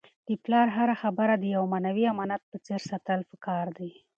د پلار هره خبره د یو معنوي امانت په څېر ساتل پکار دي.